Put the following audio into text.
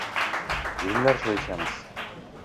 Yuringlar, choy ichamiz.